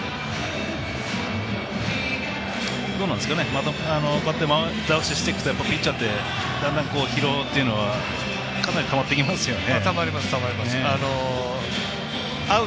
また前倒しをしていくとピッチャーってだんだん疲労というのはかなりたまってきますよね？